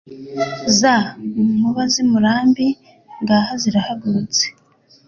Za nkuba z' i Murambi, Ngaha zirahagurutse,